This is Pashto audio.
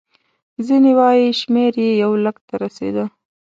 ځینې وایي شمېر یې یو لک ته رسېده.